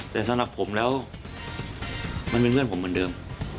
แต่สำหรับผมแล้วมันเป็นเพื่อนผมเหมือนเดิม